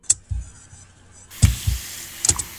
ايا ښځه د نورو خلګو ضامنه کېدلای سي؟